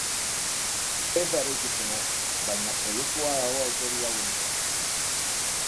Ez da eraikitzen hasi, baina proiektua dago autobia hau egiteko.